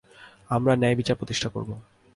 আমরা ন্যায়বিচার প্রতিষ্ঠা করব।